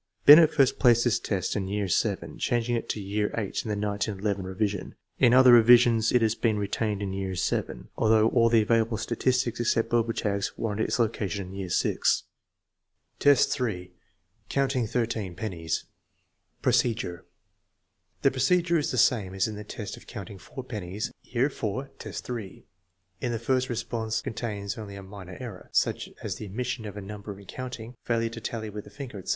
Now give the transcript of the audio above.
Binet first placed this test in year VII, changing it to year VIII in the 1911 revision. In other revisions it has been retained in year VII, although all the available statis tics except Bobertag's warrant its location in year VI. & 3. Counting thirteen pennies Procedure. The procedure is the same as in the test of counting four pennies (year IV, test 3). If the first response contains only a minor error, such as the omission of a number in coijpting, failure to tally with the finger, etc.